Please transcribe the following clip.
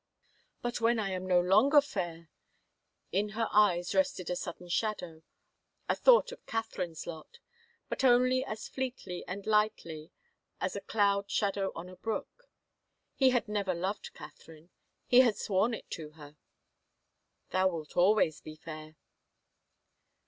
" But when I am no longer fair ?" In her eyes rested a sudden shadow — a thought of Catherine's lot — but only as fleetly and lightly as a cloud shadow on a brook. He had never love* Catherine! He had sworn it to her. "Thou wilt always be fair."